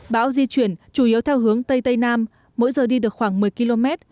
bão di chuyển chủ yếu theo hướng tây tây nam mỗi giờ đi được khoảng một mươi km